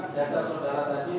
dasar saudara tadi